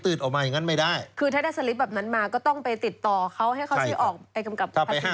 คือถ้าได้สลิปแบบนั้นมาก็ต้องไปติดต่อเขาให้เขาซื้อออกใบกำกับภาษีให้